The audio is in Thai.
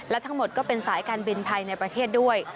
และทั้งหมดก็เป็นสายการบินภายในประเทศด้วย